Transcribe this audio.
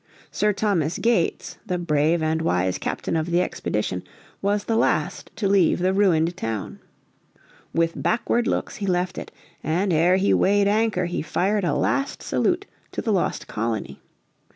Sir Thomas Gates, the brave and wise captain of the expedition, was the last to leave the ruined town. With backward looks he left it, and ere he weighed anchor he fired a last salute to the lost colony.